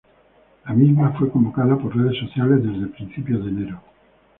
La misma fue convocada por redes sociales desde principios de enero.